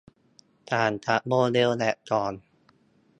ต่างจากโมเดลแบบก่อน